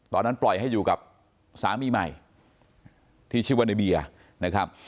ตอนนั้นปล่อยให้อยู่กับสามีใหม่ที่ชีวนบียะ